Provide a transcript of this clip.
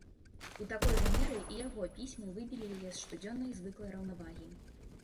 У такой жа меры і яго пісьмы выбілі яе з штодзённай звыклай раўнавагі.